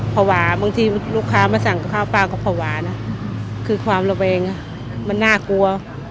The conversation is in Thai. บางทีลูกค้ามาสั่งกับข้าวป้าก็ภาวะนะคือความระแวงมันน่ากลัว